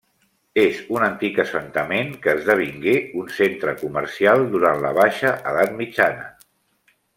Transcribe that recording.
És un antic assentament que esdevingué un centre comercial durant la baixa Edat Mitjana.